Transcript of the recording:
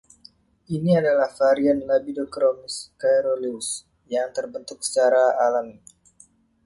Ini adalah varian "Labidochromis caeruleus" yang terbentuk secara alami.